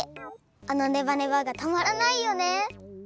あのネバネバがたまらないよね！